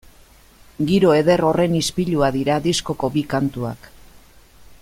Giro eder horren ispilua dira diskoko bi kantuak.